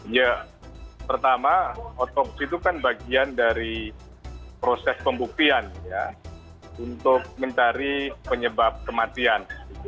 ya pertama otopsi itu kan bagian dari proses pembuktian ya untuk mencari penyebab kematian